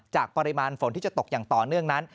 ปริมาณฝนที่จะตกอย่างต่อเนื่องนั้น